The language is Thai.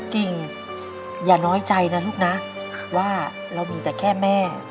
กิ่งอย่าน้อยใจนะลูกนะว่าเรามีแต่แค่แม่